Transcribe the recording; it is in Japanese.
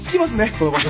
この場所ね。